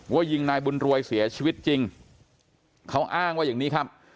ยิงนายบุญรวยเสียชีวิตจริงเขาอ้างว่าอย่างนี้ครับ